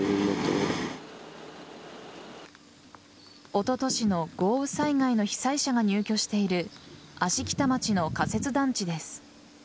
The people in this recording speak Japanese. おととしの豪雨災害の被災者が入居している芦北町の仮設団地です。